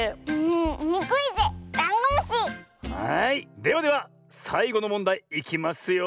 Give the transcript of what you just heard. ではではさいごのもんだいいきますよ。